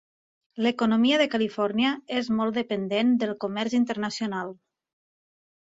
L'economia de Califòrnia és molt dependent del comerç internacional.